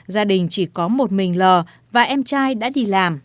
gia đình chỉ có một mình lờ và em trai đã đi làm